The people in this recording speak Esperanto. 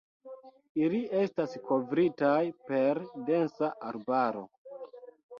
Ili estas kovritaj per densa arbaro.